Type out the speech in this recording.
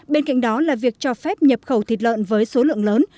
bên cạnh đó là việc cho phép nhập khẩu thịt lợn với số lượng lớn